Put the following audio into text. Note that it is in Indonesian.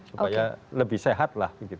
supaya lebih sehat lah